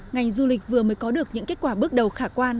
ngành du lịch vừa mới có được những kết quả bước đầu khả quan